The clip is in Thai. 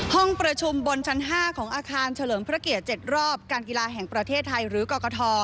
ห้องประชุมบนชั้น๕ของอาคารเฉลิมพระเกียรติ๗รอบการกีฬาแห่งประเทศไทยหรือกรกฐ